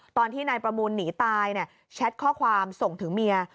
ตอนที่นายประมูลหนีตายแชทข้อความส่งถึงเมีย